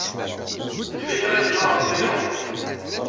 Yella kra ay yeẓra ɣef waya?